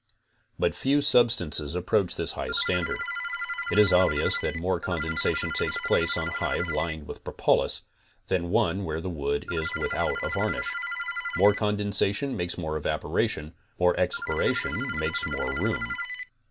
But few substances approach this high standard. It is obvious that more condensation takes place on a hive lined with propolis than one where the wood is without a varnish. More condensation makes more evaporation, more exaporation makes more room.